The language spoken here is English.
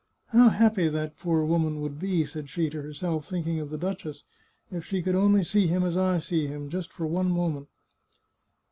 " How happy that poor woman would be," said she to herself, thinking of the duchess, " if she could only see him as I see him, just for one moment